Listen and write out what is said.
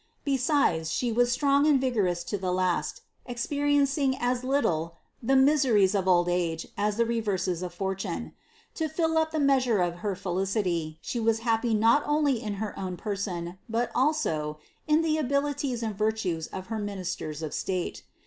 Besides, she was strong and vigorous to the last, experien cing as little the miseries of old age as the reverses of fortune. To fdl up the measure of her felicity, she was happy not only in her own per son, but also, in the abilities and virtues of her ministers of state.